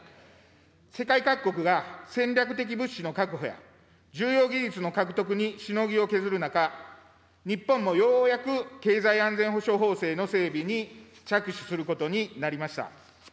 世界各国が、戦略的物資の確保や重要技術の獲得にしのぎを削る中、日本もようやく経済安全保障法制の整備に着手することになりました。